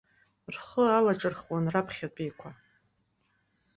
Рхы алаҿырхуан раԥхьатәиқәа.